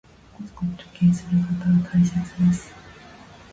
コツコツ貯金することは大切です